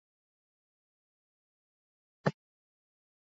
Umepokea ujumbe ambao nilikutumia?